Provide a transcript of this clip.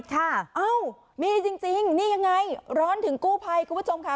เอ้ามีจริงนี่ยังไงร้อนถึงกู้ภัยคุณผู้ชมค่ะ